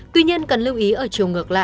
tuy nhiên cần lưu ý ở chiều ngược